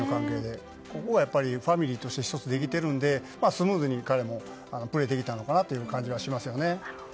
ここがファミリーとして１つできているのでスムーズに彼もプレーできていた感じがしますね。